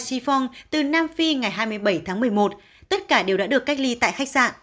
chiphon từ nam phi ngày hai mươi bảy tháng một mươi một tất cả đều đã được cách ly tại khách sạn